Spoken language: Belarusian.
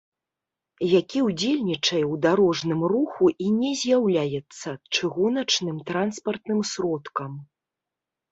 Які ўдзельнічае ў дарожным руху і не з'яўляецца чыгуначным транспартным сродкам